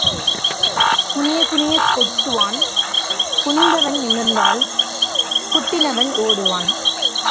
குனியக் குனியக் குட்டுவான், குனிந்தவன் நிமிர்ந்தால் குட்டினவன் ஓடுவான்.